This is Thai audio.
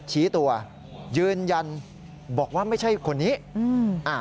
ชี้ตัวยืนยันบอกว่าไม่ใช่คนนี้อืมอ่า